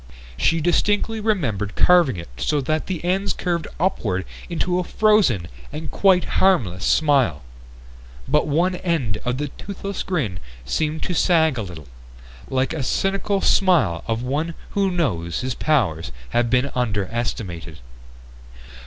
She distinctly remembered carving it so that the ends curved upward into a frozen and quite harmless smile. But one end of the toothless grin seemed to sag a little, like the cynical smile of one who knows his powers have been underestimated.